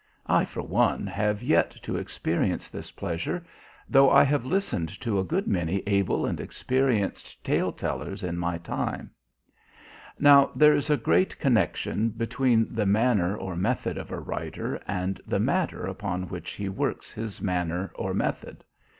I, for one, have yet to experience this pleasure, though I have listened to a good many able and experienced tale tellers in my time. Now, there is a great connection between the manner or method of a writer and the matter upon which he works his manner or method.